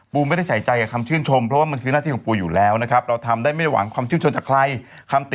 ปูไม่ได้ใส่ใจกับคำชื่นชม